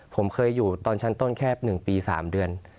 ผมเคยอยู่ตอนชั้นต้นแค่๑ปี๓เดือน